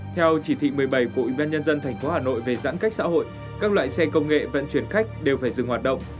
theo chỉ thị một mươi bảy của ủy ban nhân dân tp hà nội về giãn cách xã hội các loại xe công nghệ vận chuyển khách đều phải dừng hoạt động